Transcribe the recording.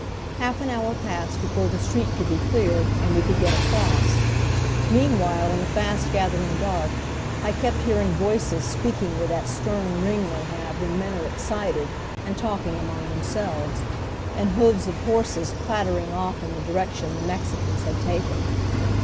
Half an hour passed before the street could be cleared, and we could get across. Meanwhile in the fast gathering dark, I kept hearing voices speaking with that stern ring they have when men are excited and talking among themselves, and hoofs of horses clattering off in the direction the Mexicans had taken.